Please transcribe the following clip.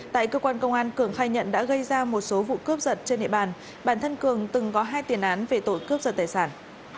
tại cơ quan công an cường khai nhận đã gây ra một số vụ cướp giật trên địa bàn bản thân cường từng có hai tiền án về tội cướp giật tài sản